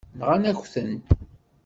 Nɣant-ak-tent.